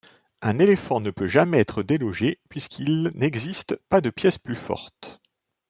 Un éléphant ne peut jamais être délogé, puisqu'il n'existe pas de pièce plus forte.